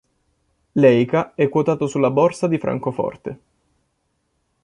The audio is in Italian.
Leica è quotato sulla Borsa di Francoforte.